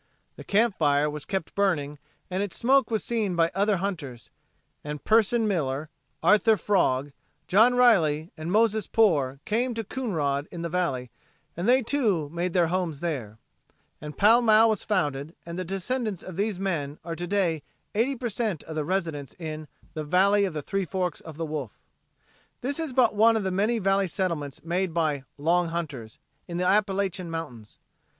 The camp fire was kept burning and its smoke was seen by other hunters, and Pearson Miller, Arthur Frogge, John Riley and Moses Poor came to Coonrod in the valley, and they too made their homes there, and Pall Mall was founded and descendants of these men are today eighty per cent of the residents in the "Valley of the Three Forks o' the Wolf." This is but one of the many valley settlements made by "Long Hunters" in the Appalachian Mountains.